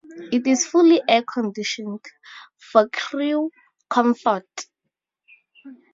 It is fully air conditioned for crew comfort.